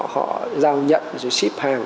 họ giao nhận rồi ship hàng